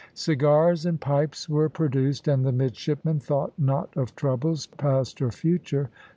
Cigars and pipes were produced, and the midshipmen thought not of troubles, past or future.